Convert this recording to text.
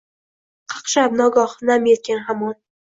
Qaqshab, nogoh nam yetgan hamon